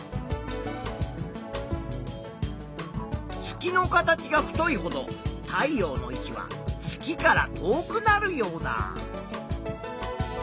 月の形が太いほど太陽の位置は月から遠くなるヨウダ。